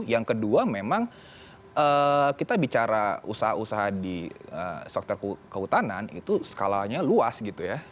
yang kedua memang kita bicara usaha usaha di sektor kehutanan itu skalanya luas gitu ya